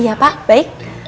iya pak baik